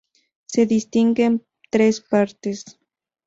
Se distinguen tres partes.